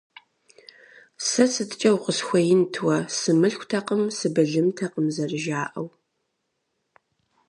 Сэ сыткӀэ укъысхуеинт уэ, сымылъкутэкъым, сыбылымтэкъым, зэрыжаӀэу.